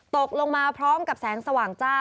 ตกลงมาพร้อมกับแสงสว่างจ้า